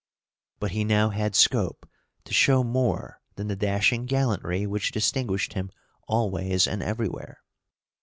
But he now had scope to show more than the dashing gallantry which distinguished him always and everywhere.